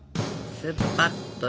スパッと。